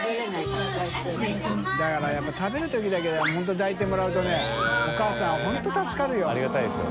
世やっぱ食べるときだけでも本当に抱いてもらうとね譴気鵑本当助かるよ。